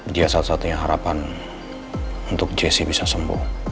dia satu satunya harapan untuk jesse bisa sembuh